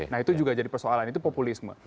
nah itu juga jadi persoalan itu populisme